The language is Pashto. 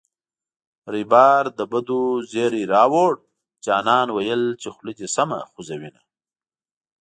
ریبار د بدو زېری راووړـــ جانان ویل چې خوله دې سمه خوزوینه